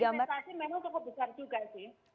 investasi memang cukup besar juga sih